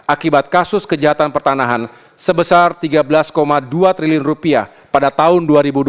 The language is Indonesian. akibat kasus kejahatan pertanahan sebesar tiga belas dua triliun rupiah pada tahun dua ribu dua puluh